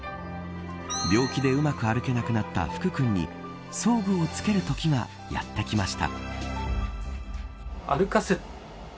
病気で、うまく歩けなくなった福くんに装具を着けるときがやってきました。